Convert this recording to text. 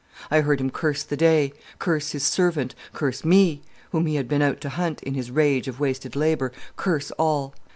I heard him curse the day, curse his servant, curse me, whom he had been out to hunt, in his rage of wasted labour, curse all.